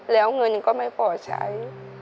แล้วเงินก็ไม่พอใช้